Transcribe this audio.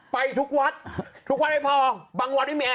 ไปทุกวัดทุกวัดไม่พอบางวัดไม่มีแ